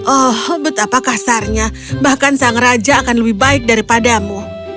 oh betapa kasarnya bahkan sang raja akan lebih baik daripadamu